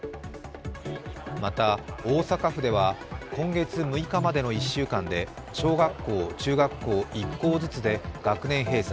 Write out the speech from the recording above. また、大阪府では、今月６日までの１週間で小学校・中学校１校ずつで学年閉鎖、